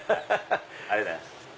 ありがとうございます。